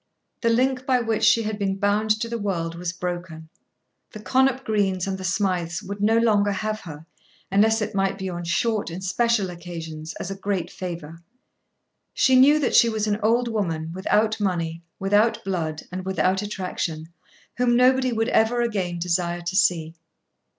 The link by which she had been bound to the world was broken. The Connop Greens and the Smijths would no longer have her, unless it might be on short and special occasions, as a great favour. She knew that she was an old woman, without money, without blood, and without attraction, whom nobody would ever again desire to see.